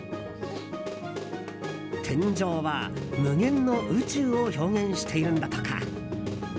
天井は無限の宇宙を表現しているのだとか。